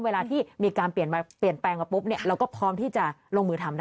เวลาที่มีการเปลี่ยนแปลงมาปุ๊บเนี่ยเราก็พร้อมที่จะลงมือทำได้